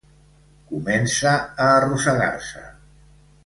Comença a arrossegar-se.